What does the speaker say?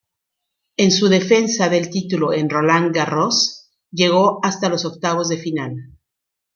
En su defensa del título en Roland Garros llegó hasta los octavos de final.